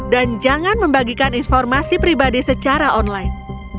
dan jangan membagikan informasi pribadi secara online